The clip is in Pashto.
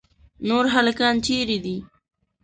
نور هلکان چیرې دي؟